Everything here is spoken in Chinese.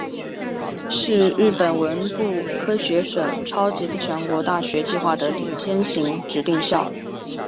是日本文部科学省超级全球大学计划的顶尖型指定校。